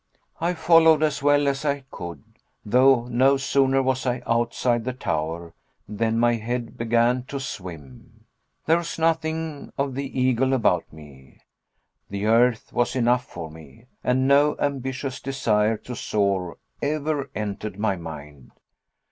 I followed as well as I could, though no sooner was I outside the tower, than my head began to swim. There was nothing of the eagle about me. The earth was enough for me, and no ambitious desire to soar ever entered my mind.